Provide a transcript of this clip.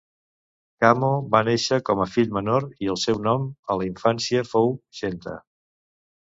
Kamo va nàixer com al fill menor i el seu nom a la infància fou Genta.